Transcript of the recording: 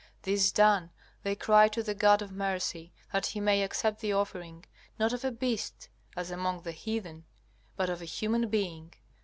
This done they cry to the God of mercy, that he may accept the offering, not of a beast as among the heathen, but of a human being.